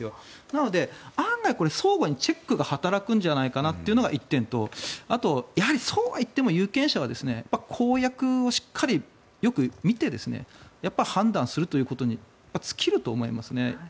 なので案外相互にチェックが働くんじゃないかなというのが１点とあと、やはり、そうはいっても有権者は公約をしっかりよく見て判断するということに尽きると思いますね。